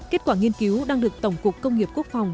kết quả nghiên cứu đang được tổng cục công nghiệp quốc phòng